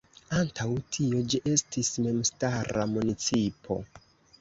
Antaŭ tio ĝi estis memstara municipo.